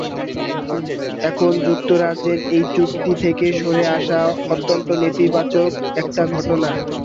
এখন যুক্তরাষ্ট্রের এই চুক্তি থেকে সরে আসা অত্যন্ত নেতিবাচক একটা ঘটনা।